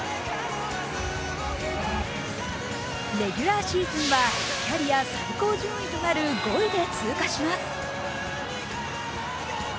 レギュラーシーズンはキャリア最高順位となる５位で通過します。